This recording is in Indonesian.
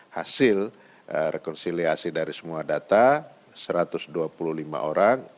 hasil rekonsiliasi dari semua data satu ratus dua puluh lima orang